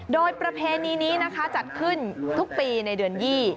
โดยประเพณีนี้นะคะจัดขึ้นทุกปีในเดือน๒๐